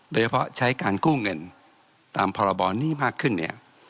โดยเฉพาะใช้การกู้เงินตามพรบหนี้มากขึ้นเนี่ย